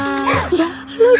halo untuk pria